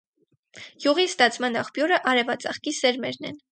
Յուղի ստացման աղբյուրը արևածաղկի սերմերն են։